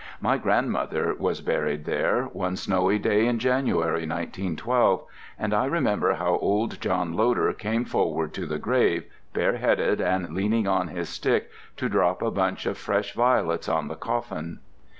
My grandmother was buried there, one snowy day in January, 1912, and I remember how old John Loder came forward to the grave, bareheaded and leaning on his stick, to drop a bunch of fresh violets on the coffin.